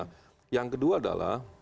nah yang kedua adalah